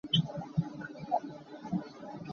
Cakei a hrum lioah va neih hlah.